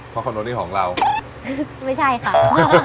เพราะคอนโดนี่ของเราไม่ใช่ค่ะ